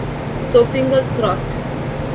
So fingers crossed.